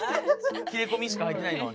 切れ込みしか入ってないのはね。